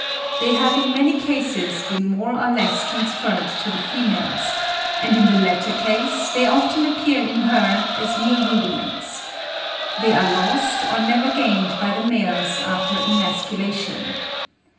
They have in many cases been more or less transferred to the females; and in the latter case they often appear in her as mere rudiments. They are lost or never gained by the males after emasculation.